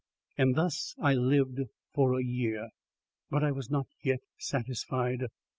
And thus I lived for a year. But I was not yet satisfied.